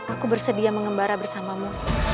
aku bersedia mengembara bersamamu